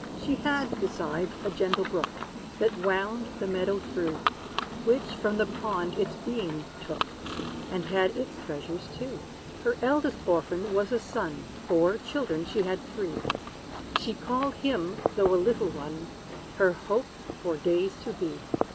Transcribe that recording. She had, besides, a gentle brook, That wound the meadow through, Which from the pond its being took, And had its treasures too. Her eldest orphan was a son; For, children she had three; She called him, though a little one, Her hope for days to be.